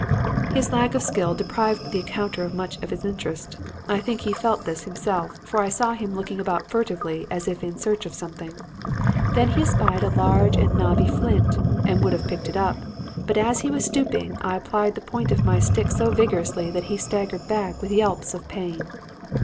"His lack of skill deprived the encounter of much of its interest. I think he felt this himself, for I saw him looking about furtively as if in search of something. Then he espied a large and knobbly flint and would have picked it up; but as he was stooping I plied the point of my stick so vigorously that he staggered back with yelps of pain.